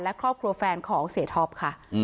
และครอบครัวแฟนของเสียท็อปค่ะ